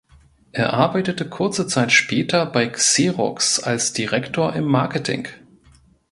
Er arbeitete kurze Zeit später bei Xerox als Direktor im Marketing.